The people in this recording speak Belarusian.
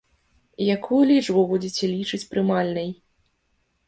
Якую лічбу будзеце лічыць прымальнай?